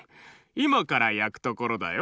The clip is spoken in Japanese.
いまからやくところだよ。